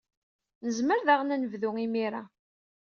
Nezmer daɣen ad nebdu imir-a.